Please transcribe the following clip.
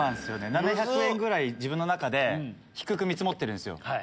７００円ぐらい自分の中で低く見積もってるんすよ。